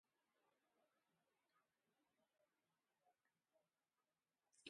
Allquqa puñuykanmi.